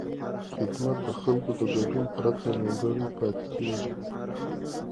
خدمت د خلکو د ګډون پرته نیمګړی پاتې کېږي.